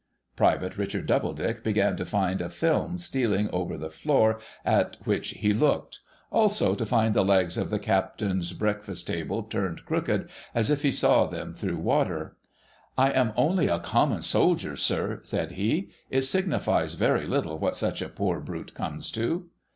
Private Richard Doubledick began to find a film stealing over the floor at which he looked ; also to find the legs of the Captain's break fast table turning crookc^d, as if he saw them through water. ' I am only a common soldier, sir,' said he. ' It signifies very little what such a poor brute comes to.'